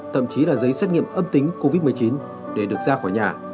thậm chí là giấy xét nghiệm âm tính covid một mươi chín để được ra khỏi nhà